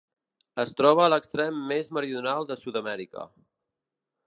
Es troba a l'extrem més meridional de Sud-amèrica.